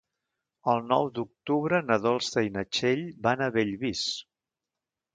El nou d'octubre na Dolça i na Txell van a Bellvís.